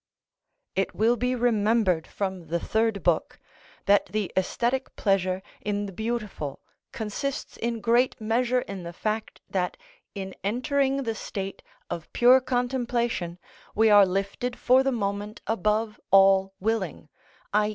It will be remembered from the Third Book that the æsthetic pleasure in the beautiful consists in great measure in the fact that in entering the state of pure contemplation we are lifted for the moment above all willing, _i.